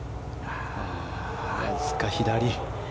わずか左。